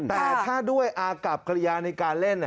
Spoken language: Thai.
แต่ถ้าด้วยอากับกริยาในการเล่น